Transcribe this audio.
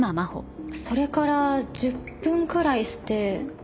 それから１０分くらいして。